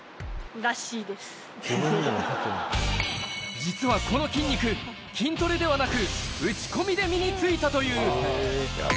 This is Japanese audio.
実はこの筋肉、筋トレではなく、打ち込みで身についたという。